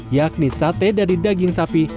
yakni sate dari daging sapi